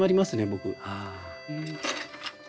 僕。